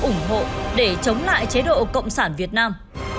ủng hộ để chống lại chế độ cộng sản việt nam